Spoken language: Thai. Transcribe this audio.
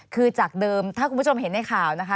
คือจากเดิมถ้าคุณผู้ชมเห็นในข่าวนะคะ